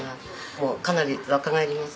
もうかなり若返ります。